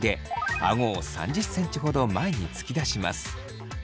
あごを３０ｃｍほど前に突き出します。